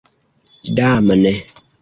damne